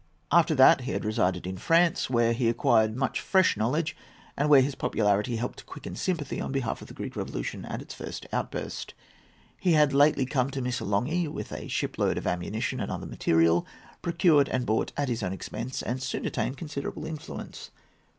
After that he had resided in France, where he acquired much fresh knowledge, and where his popularity helped to quicken sympathy on behalf of the Greek Revolution at its first outburst. He had lately come to Missolonghi with a ship load of ammunition and other material, procured and brought at his own expense, and soon attained considerable influence.